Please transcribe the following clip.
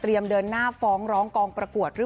เพราะว่ามันพี่ตอบเด็กทั้ง๒๙คนไม่ได้